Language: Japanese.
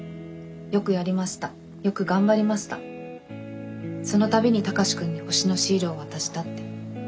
「よくやりましたよく頑張りましたその度に高志くんに星のシールを渡した」って。